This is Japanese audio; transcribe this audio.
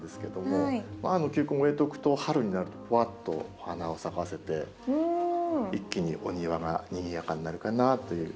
球根を植えておくと春になるとふわっとお花を咲かせて一気にお庭がにぎやかになるかなという。